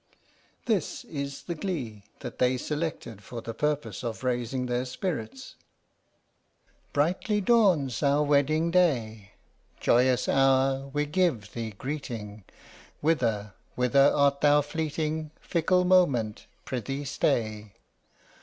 This is the glee that they selected for the purpose of raising their spirits: Brightly dawns our wedding day; Joyous hour we give thee greeting! Whither, whither art thou fleeting? Fickle moment, prithee stay!